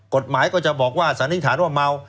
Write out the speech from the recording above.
กฎหมายก็จะบอกว่าสันนิษฐานว่าเมา